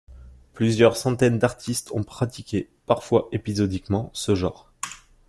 Plusieurs centaines d'artistes ont pratiqué, parfois épisodiquement, ce genre.